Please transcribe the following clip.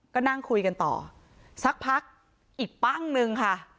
ก็นั่งคุยกันต่อสักพักอีกปั้งนึงค่ะ